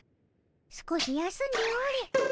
少し休んでおれ。